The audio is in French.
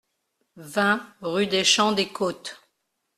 vingt rue des Champs des Côtes